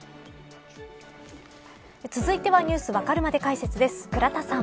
続いてはＮｅｗｓわかるまで解説です。